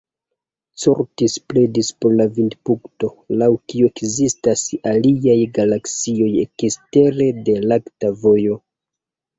Curtis pledis por la vidpunkto, laŭ kiu ekzistas aliaj galaksioj ekstere de Lakta Vojo.